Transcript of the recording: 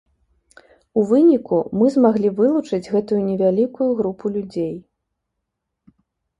У выніку мы змаглі вылучыць гэтую невялікую групу людзей.